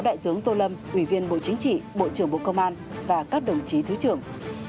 đại tướng tô lâm ủy viên bộ chính trị bộ trưởng bộ công an và các đồng chí thứ trưởng